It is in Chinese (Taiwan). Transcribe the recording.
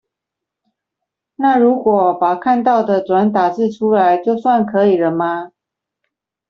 那如果把看到的轉打字出來，就算可以了嗎？